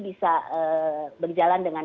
bisa berjalan dengan